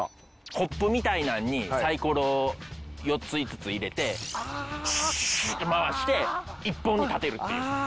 コップみたいなのにサイコロを４つ５つ入れてシュシュシュシュッて回して一本に立てるっていう。